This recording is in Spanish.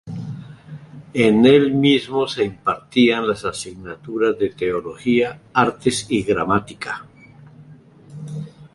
En el mismo se impartían las asignaturas de Teología, Artes y Gramática.